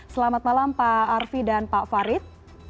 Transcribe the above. selamat malam pak arfi dan pak farid